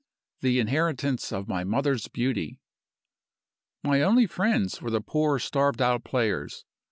the inheritance of my mother's beauty. "My only friends were the poor starved out players.